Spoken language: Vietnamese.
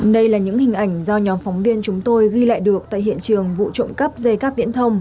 đây là những hình ảnh do nhóm phóng viên chúng tôi ghi lại được tại hiện trường vụ trộm cắp dây cắp viễn thông